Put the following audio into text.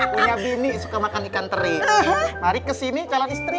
punya bini suka makan ikan teri mari kesini calon istri